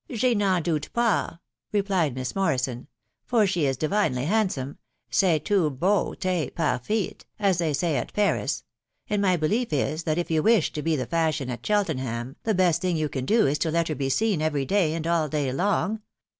" Jay non doot paw," replied Miss Morrison, €€ for she is divinely handsome, say toon bow tay par fit, as they say at Paris ; and my belief is, that if you wish to be the fashion at Cheltenham, the best thing you can do is to let her be seen every day, and all day long.